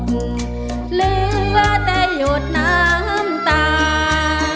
เหลือแต่หยดน้ำตา